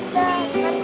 kamu yang sabar ya